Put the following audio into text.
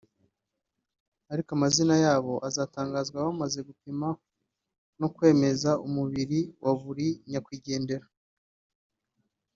ariko amazina yabo azatangazwa bamaze gupima no kwemeza umubiri wa buri nyakwigendera